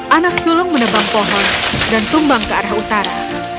anak sulung menebang pohon dan tumbang ke arah utara